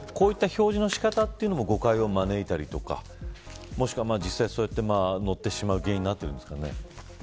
こういった表示の仕方も誤解を招いたりとか実際、乗ってしまう原因になっているんですかね。